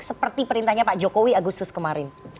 seperti perintahnya pak jokowi agustus kemarin